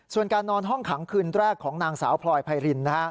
ส่วนการนอนห้องขังคืนแรกของนางสาวพลอยไพริน